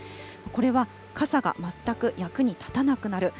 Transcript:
これは傘が全く役に立たなくなる。